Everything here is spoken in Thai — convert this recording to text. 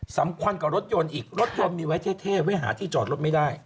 สำคัญกว่ารถยนต์อีกรถยนต์มีไว้เท่ไว้หาที่จอดรถไม่ได้